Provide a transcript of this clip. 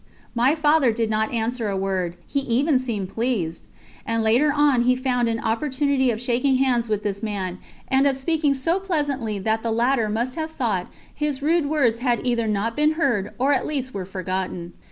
My Father did not answer a word, he even seemed pleased; and later on he found an opportunity of shaking hands with this man, and of speaking so pleasantly that the latter must have thought his rude words had either not been heard, or at least were forgotten.